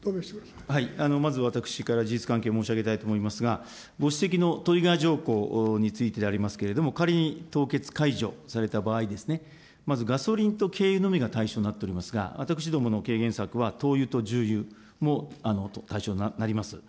まず私から事実関係を申し上げたいと思いますが、ご指摘のトリガー条項についてでありますけれども、仮に凍結解除された場合、まずガソリンと軽油のみが対象になっておりますが、私どもの軽減策は、灯油と重油も対象になります。